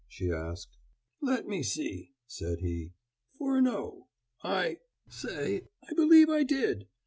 she asked. "Let me see," said he "Furneaux. I stay I believe I did!